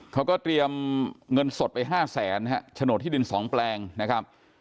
เขาก็เตรียมเงินสดไป๕แสนฮะโฉนดที่ดิน๒แปลงนะครับ